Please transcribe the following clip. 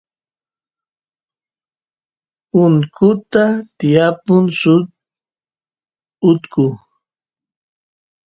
punkuta tiypun suk utku